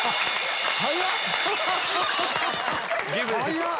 早っ！